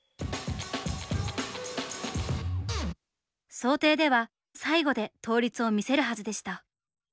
想定では最後で倒立を見せるはずでした。